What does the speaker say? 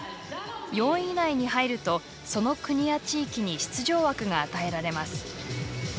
４位以内に入るとその国や地域に出場枠が与えられます。